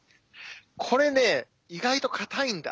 これね意外と硬いんだ。